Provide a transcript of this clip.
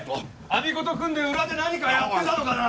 我孫子と組んで裏で何かやってたのかな